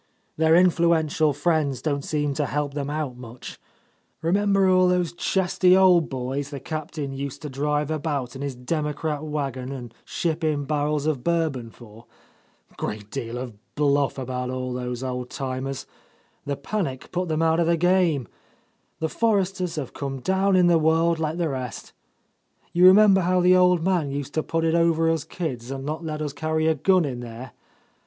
Their influential friends don't seem to help them out much. Remember all those chesty old boys the Captain used to drive about in his democrat wagon, and ship in barrels of Bourbon for ? Good deal of bluff about all those old timers. The panic put them out of the game. The Forresters have come down in the world like — 104 — A Lost Lady the rest. You remember how the o|d man used to put it over os kids and not let us carry a gun in there